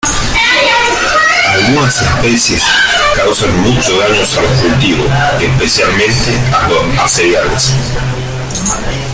Algunas especies causan mucho daño a los cultivos, especialmente a cereales.